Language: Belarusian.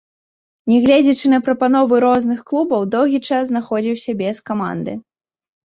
Нягледзячы на прапановы розных клубаў, доўгі час знаходзіўся без каманды.